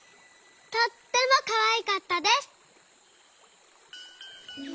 とってもかわいかったです」。